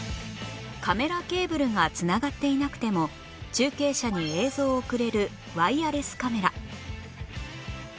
カメラケーブルが繋がっていなくても中継車に映像を送れるワイヤレスカメラ